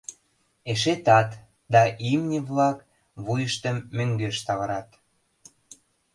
Эше тат - да имне-влак вуйыштым мӧҥгеш савырат.